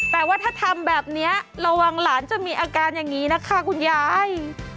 แต่ว่าถ้าทำแบบนี้ระวังหลานจะมีอาการอย่างนี้นะคะคุณยาย